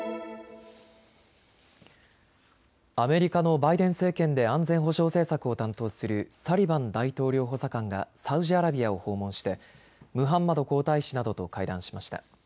アメリカのバイデン政権で安全保障政策を担当するサリバン大統領補佐官がサウジアラビアを訪問してムハンマド皇太子などと会談しました。